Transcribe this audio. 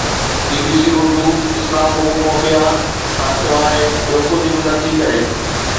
بي B C Urdu Islamophobia کان سواءِ ٻيو ڪجهه به نٿي ڪري